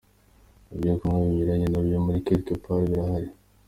Ibyo kunywa binyuranye nabyo muri Quelque Part birahari.